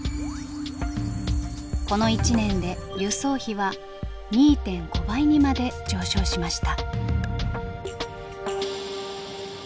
この１年で輸送費は２．５倍にまで上昇しました。